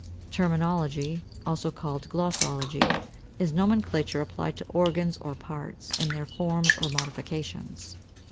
545. =Terminology=, also called Glossology, is nomenclature applied to organs or parts, and their forms or modifications.